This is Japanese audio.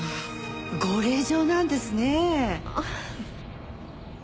ご令嬢なんですねえ！